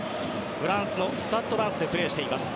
フランスのスタッド・ランスでプレーしています。